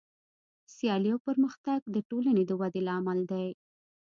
سیالي او پرمختګ د ټولنې د ودې لامل دی.